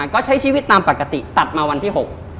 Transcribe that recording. ก็ใช้ชีวิตตามปกติตัดมาวันที่๖